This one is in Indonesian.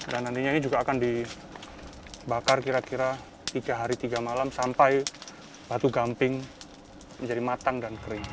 dan nantinya ini juga akan dibakar kira kira tiga hari tiga malam sampai batu gamping menjadi matang dan kering